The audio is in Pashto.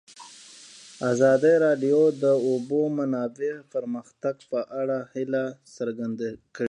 ازادي راډیو د د اوبو منابع د پرمختګ په اړه هیله څرګنده کړې.